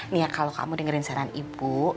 nih ya kalau kamu dengerin saran ibu